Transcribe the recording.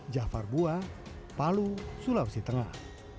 jafar bua palu sulawesi tengah